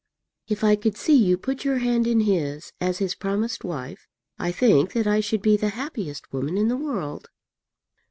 If I could see you put your hand in his as his promised wife, I think that I should be the happiest woman in the world."